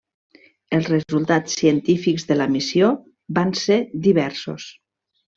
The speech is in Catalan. Els resultats científics de la missió van ser diversos.